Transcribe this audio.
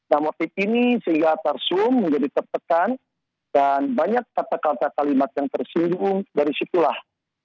nah motif ini sehingga tarsum menjadi tertekan dan banyak kata kata kalimat yang tersinggung dari situlah